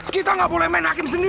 kita nggak boleh main hakim sendiri